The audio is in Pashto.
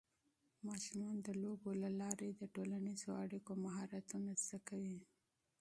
ماشومان د لوبو له لارې د ټولنیزو اړیکو مهارتونه زده کوي.